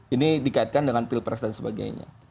ini dikaitkan dengan pilpres dan sebagainya